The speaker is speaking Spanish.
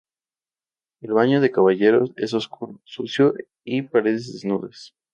El baño de caballeros es oscuro, sucio y paredes desnudas.